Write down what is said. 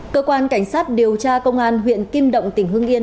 cơ quan cảnh sát điều tra công an huyện kim động tỉnh hương yên